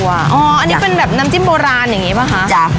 อันนี้เป็นแบบน้ำจิ้มโบราณอย่างนี้ป่ะคะ